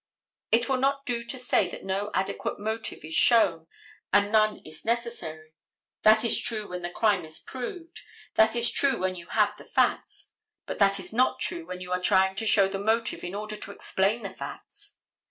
It will not do to say that no adequate motive is shown and none is necessary. That is true when the crime is proved. That is true when you have the facts. But that is not true when you are trying to show the motive in order to explain the facts.